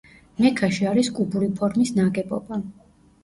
მექაში არის კუბური ფორმის ნაგებობა.